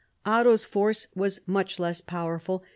Otto's force was much less powerful.